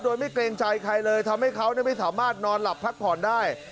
โดยไม่เกรงใจใครเลยทำให้เขาไม่สามารถนอนหลับพักผ่อนได้